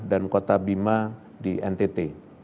dan kota bima di ntt